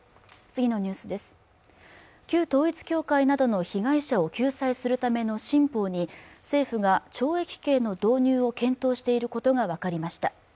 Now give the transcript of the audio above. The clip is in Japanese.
旧統一教会などの被害者を救済するための新法に政府が懲役刑の導入を検討していることが分かりました